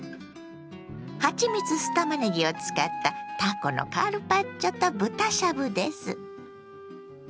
「はちみつ酢たまねぎ」を使ったたこのカルパッチョと豚しゃぶです。